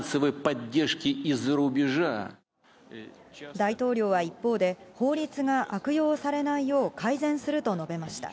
大統領は一方で、法律が悪用されないよう改善すると述べました。